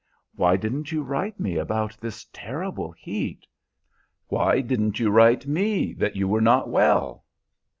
"Why didn't you write me about this terrible heat?" "Why didn't you write me that you were not well?"